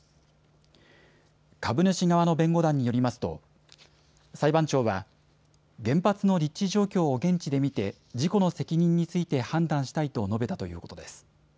株主側の弁護団によりますと裁判長は原発の立地状況を現地で見て事故の責任について判断したいと述べたということです。